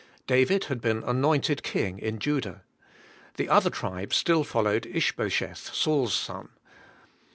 David had been anointed king in Judah. The other tribes still followed Ish bosheth, Saul's son.